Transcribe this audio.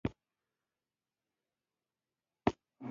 ما ډېر خلک د الوتکو په بمونو ښکار کړي دي